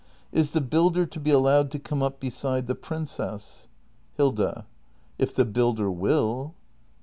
] Is the builder to be allowed to come up beside the princess ? Hilda. If the builder will.